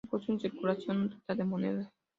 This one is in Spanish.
Se puso en circulación un total de monedas.